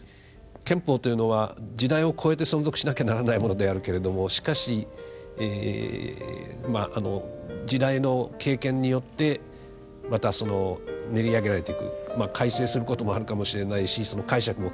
憲法というのは時代をこえて存続しなきゃならないものであるけれどもしかし時代の経験によってまた練り上げられていく改正することもあるかもしれないしその解釈も変わってくる。